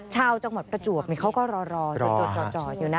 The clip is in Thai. ชาวจังหวัดประจวบเขาก็รอจดอยู่นะ